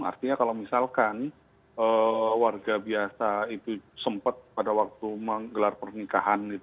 artinya kalau misalkan warga biasa itu sempat pada waktu menggelar pernikahan